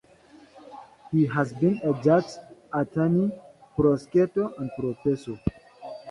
He has been a judge, attorney, prosecutor, and professor.